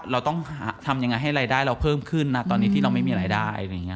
เราต้องทำยังไงให้รายได้เราเพิ่มขึ้นนะตอนนี้ที่เราไม่มีรายได้อะไรอย่างนี้